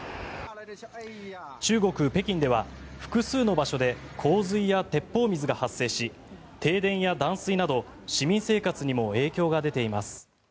中国・北京では複数の場所で洪水や鉄砲水が発生し停電や断水など市民生活にも影響が出ています。